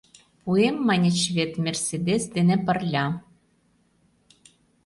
Пуэм маньыч вет, «Мерседес» дене пырля.